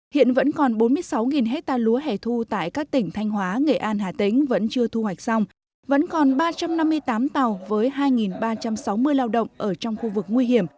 hiện vẫn còn bốn mươi sáu hectare lúa hẻ thu tại các tỉnh thanh hóa nghệ an hà tĩnh vẫn chưa thu hoạch xong vẫn còn ba trăm năm mươi tám tàu với hai ba trăm sáu mươi lao động ở trong khu vực nguy hiểm